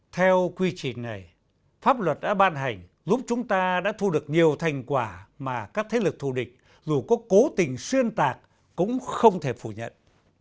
theo quy trình này pháp luật đã ban hành giúp chúng ta đã thu được nhiều thành quả mà các thế lực thù địch dù có cố tình xuyên tạc cũng không thể phủ nhận